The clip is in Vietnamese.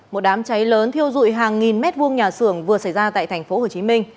một đám cháy lớn thiêu dụi hàng nghìn mét vuông nhà xưởng vừa xảy ra tại tp hcm